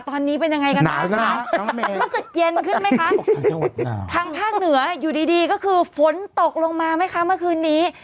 ตอนนี้เป็นยังไงกันบ้างคะรู้สึกเย็นขึ้นไหมคะทางภาคเหนืออยู่ดีก็คือฝนตกลงมาไหมคะเมื่อคืนนี้